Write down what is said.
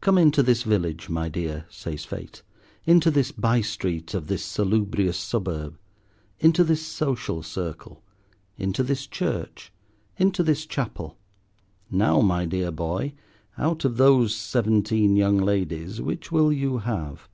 "Come into this village, my dear," says Fate; "into this by street of this salubrious suburb, into this social circle, into this church, into this chapel. Now, my dear boy, out of these seventeen young ladies, which will you have?